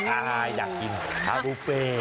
อ่าอยากกินข้าวบุฟเฟ่